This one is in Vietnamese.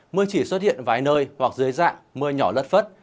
mưa chỉ xuất hiện vài nơi hoặc dưới dạng mưa nhỏ lất phất